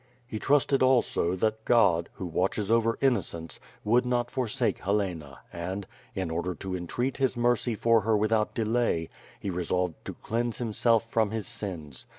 He trusted, also, that God, who watches over innocence, would not forsake Helena and, in order to entreat his mercy for her without delay, he resolved to cleanse himself from his sins.